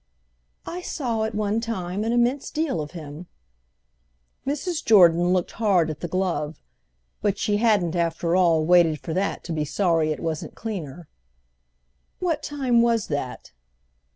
"I saw, at one time, an immense deal of him." Mrs. Jordan looked hard at the glove, but she hadn't after all waited for that to be sorry it wasn't cleaner. "What time was that?"